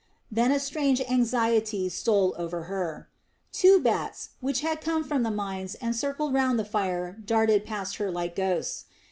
Then a strange anxiety stole over her. Two bats, which had come from the mines and circled round the fire darted past her like ghosts.